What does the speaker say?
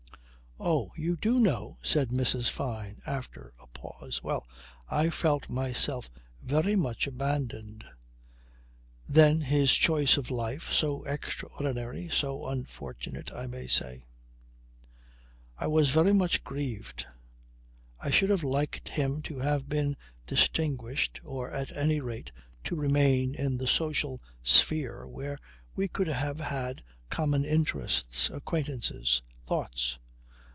"Oh! You do know," said Mrs. Fyne after a pause. "Well I felt myself very much abandoned. Then his choice of life so extraordinary, so unfortunate, I may say. I was very much grieved. I should have liked him to have been distinguished or at any rate to remain in the social sphere where we could have had common interests, acquaintances, thoughts.